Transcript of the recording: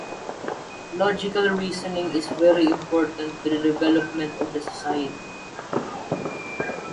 Logical Reasoning is very important to the development of society.